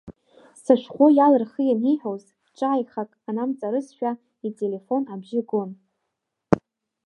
Сышәҟәы иалархи, аниҳәоз, ҿааихак ҟанамҵарызшәа, ителефон абжьы гон.